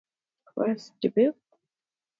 Wer Bist Du?